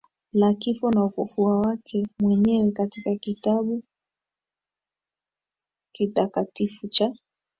la kifo na ufufuko wake mwenyewe Kitabu kitakatifu cha